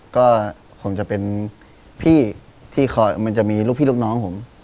ก็ผมจะเป็นพี่ที่คอยมันจะมีลูกพี่ลูกน้องผม